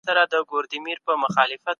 ژوند له احترام سره لوړ دی